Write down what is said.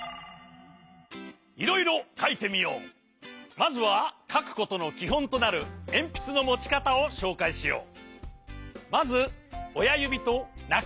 まずはかくことのきほんとなるえんぴつのもちかたをしょうかいしよう。